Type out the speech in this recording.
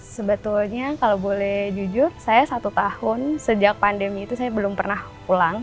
sebetulnya kalau boleh jujur saya satu tahun sejak pandemi itu saya belum pernah pulang